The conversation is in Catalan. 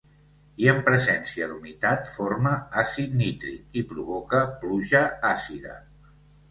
I, en presència d'humitat forma àcid nítric i provoca pluja àcida.